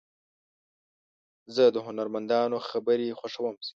زه د هنرمندانو خبرې خوښوم.